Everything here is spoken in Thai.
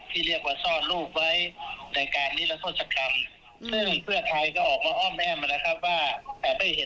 ที่เรียกว่าซ่อนรูปไว้ในการนิรโทษฌกรรมก็ออกมาอ้อมแอนมาใน๊กก็บ้าแผ่นไหนยนะครับว่าจะไม่เห็น